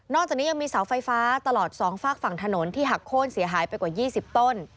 จากนี้ยังมีเสาไฟฟ้าตลอด๒ฝากฝั่งถนนที่หักโค้นเสียหายไปกว่า๒๐ต้น